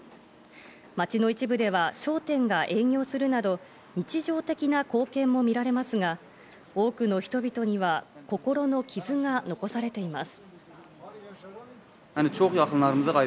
街の一部では商店が営業するなど日常的な光景も見られますが、多くの人々には心の傷が残されています。